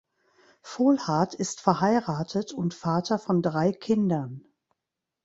Volhard ist verheiratet und Vater von drei Kindern.